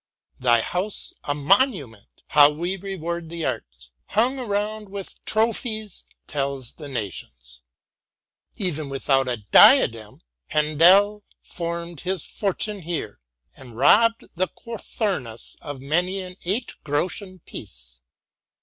'Thy house, a monument, how we reward the arts, hung round with trop/ies, tells the nations :' Even without a diadem, Hendel formed his fortune bere, and robbed the Cothurnus of many an eight groschen piece.